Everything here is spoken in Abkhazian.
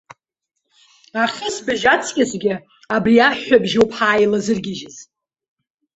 Ахысыбжь аҵкысгьы убри аҳәҳәабжьоуп ҳаилазыргьежьыз.